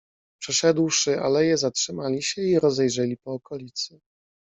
"Przeszedłszy aleje, zatrzymali się i rozejrzeli po okolicy."